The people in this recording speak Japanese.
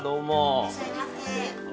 いらっしゃいませ。